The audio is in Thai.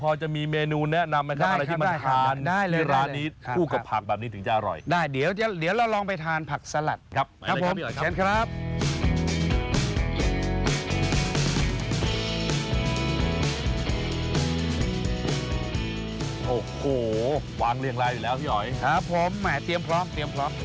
โอ้โฮวางเรียงลายอยู่แล้วพี่อ๋อยครับผมเตรียมพร้อม